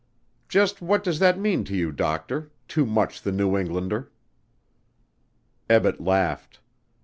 "Just what does that mean to you, Doctor too much the New Englander?" Ebbett laughed.